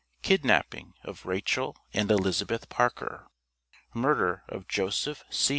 KIDNAPPING OF RACHEL AND ELIZABETH PARKER MURDER OF JOSEPH C.